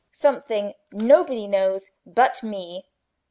Something nobody knows but me!